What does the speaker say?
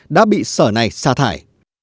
đã bị sở này xa thải